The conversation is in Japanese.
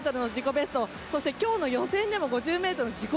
ベストそして今日の予選でも５０ｍの自己